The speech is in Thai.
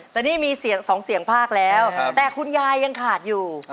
แต่นี่มีเสียงสองเสียงภาคแล้วแต่คุณยายยังขาดอยู่